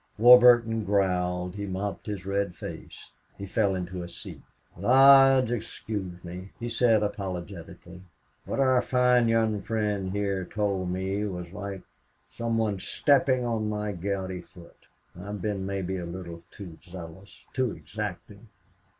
Warburton growled, he mopped his red face, he fell into a seat. "Lodge, excuse me," he said, apologetically. "What our fine young friend here told me was like some one stepping on my gouty foot. I've been maybe a little too zealous too exacting.